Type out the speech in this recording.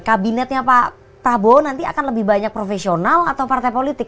kabinetnya pak prabowo nanti akan lebih banyak profesional atau partai politik